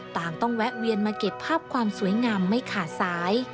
ต้องแวะเวียนมาเก็บภาพความสวยงามไม่ขาดสาย